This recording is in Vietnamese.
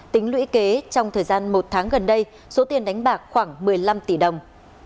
tính lũy kế trong thời gian một tháng gần đây số tiền đánh bạc khoảng một mươi năm tỷ đồng